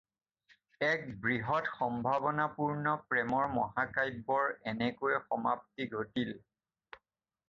এক বৃহৎ সম্ভাৱনাপূৰ্ণ প্ৰেমৰ মহাকাব্যৰ এনেকৈয়ে সমাপ্তি ঘটিল।